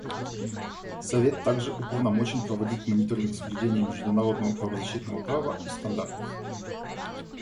Совет также уполномочен проводить мониторинг соблюдения международного правозащитного права и стандартов.